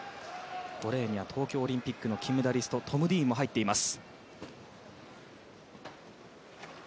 ５レーンには東京オリンピックの金メダリストトム・ディーンも入っています。